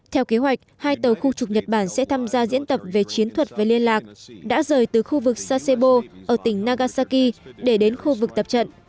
theo kế hoạch hai tàu khu trục nhật bản sẽ tham gia diễn tập về chiến thuật về liên lạc đã rời từ khu vực sasebo ở tỉnh nagasaki để đến khu vực tập trận